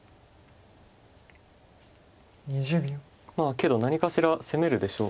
けど何かしら攻めるでしょう。